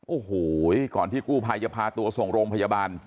โอ้โหก่อนที่กู้ภัยจะพาตัวส่งโรงพยาบาล